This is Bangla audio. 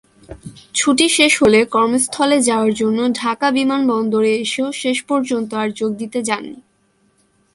ছুটি শেষ হলে কর্মস্থলে যাওয়ার জন্য ঢাকা বিমানবন্দরে এসেও শেষ পর্যন্ত আর যোগ দিতে যাননি।